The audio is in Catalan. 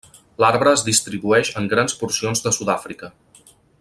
L'arbre es distribueix en grans porcions de Sud-àfrica.